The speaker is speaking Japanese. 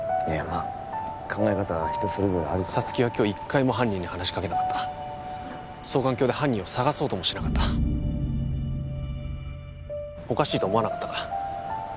まあ考え方は人それぞれあるから沙月は今日１回も犯人に話しかけなかった双眼鏡で犯人を捜そうともしなかったおかしいと思わなかったか？